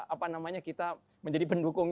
apa namanya kita menjadi pendukung